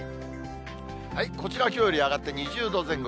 こちらはきょうより上がって２０度前後。